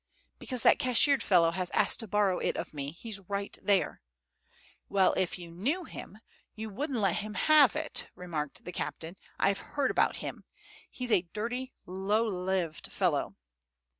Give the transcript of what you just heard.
"Because that cashiered fellow has asked to borrow it of me. He's right there." "Well, if you knew him, you wouldn't let him have it," remarked the captain. "I have heard about him. He's a dirty, low lived fellow."